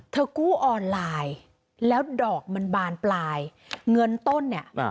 กู้ออนไลน์แล้วดอกมันบานปลายเงินต้นเนี่ย